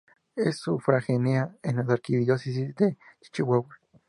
Es sufragánea a la Arquidiócesis de Chihuahua.